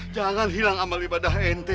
jangan hilang amal ibadah ente